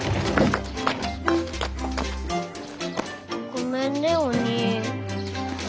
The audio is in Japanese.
ごめんねおにぃ。